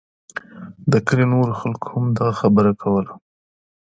د کلي نورو خلکو هم دغه خبره کوله.